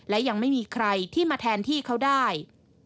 และยังไม่มีใครที่มาแทนที่เขาได้